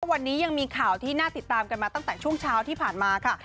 วันนี้ยังมีข่าวที่น่าติดตามกันมาตั้งแต่ช่วงเช้าที่ผ่านมาค่ะ